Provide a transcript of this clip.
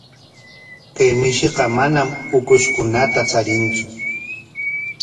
Chay mishiqa manam ukushkunata charintsu.